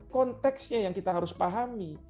konteksnya yang kita harus pahami